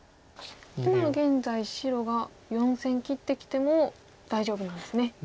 今現在白が４線切ってきても大丈夫なんですね右下。